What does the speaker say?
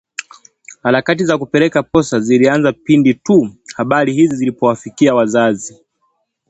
Harakati za kupeleka posa zilianza pindi tu habari hizi zilipowafikia wazazi